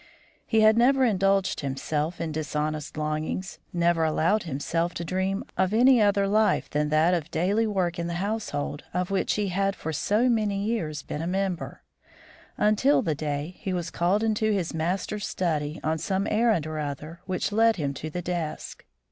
He had never indulged himself in dishonest longings, never allowed himself to dream of any other life than that of daily work in the household of which he had for so many years been a member, until the day he was called into his master's study on some errand or other which led him to the desk.